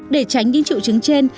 để tránh những triệu chứng trên